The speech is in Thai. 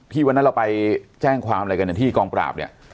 วันนั้นเราไปแจ้งความอะไรกันที่กองปราบเนี่ย